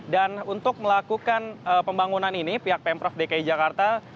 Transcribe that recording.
dan untuk melakukan pembangunan ini pihak pemprov dki jakarta